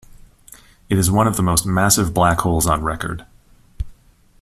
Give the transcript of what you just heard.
It is one of the most massive black holes on record.